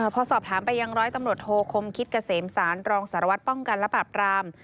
พอสอบถามไปยังร้อยตำรวจโทคมคิดเกษมสารรองสารวัตรป้องกันและปรับราม